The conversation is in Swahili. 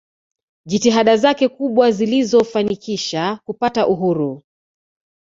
jitihada zake kubwa zilizo fanikisha kupata uhuru